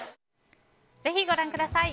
ぜひご覧ください。